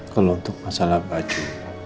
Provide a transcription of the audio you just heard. kalau untuk masalah baju